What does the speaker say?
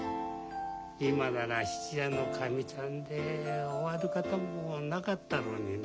今なら質屋のかみさんで終わることもなかったろうにな。